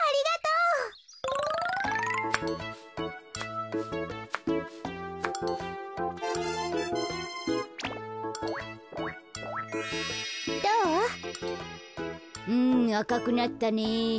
うんあかくなったね。